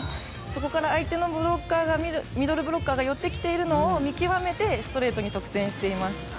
そこから相手のミドルブロッカーが寄ってきているのを見極めてストレートに得点しています。